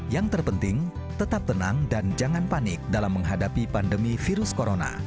yang terpenting tetap tenang dan jangan panik dalam menghadapi pandemi virus corona